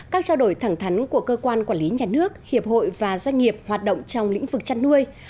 các trao đổi thẳng thắn của cơ quan quản lý nhà nước hiệp hội và doanh nghiệp hoạt động trong lĩnh vực chăn nuôi